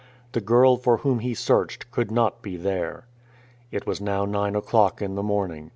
The girl for whom he searched could not be there. It was now nine o'clock in the morning.